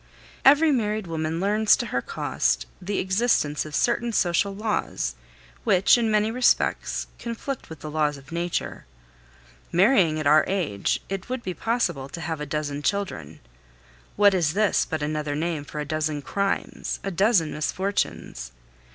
Every married woman learns to her cost the existence of certain social laws, which, in many respects, conflict with the laws of nature. Marrying at our age, it would be possible to have a dozen children. What is this but another name for a dozen crimes, a dozen misfortunes?